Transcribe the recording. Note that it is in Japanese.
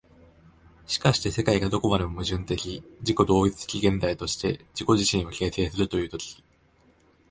しかして世界がどこまでも矛盾的自己同一的現在として自己自身を形成するという時、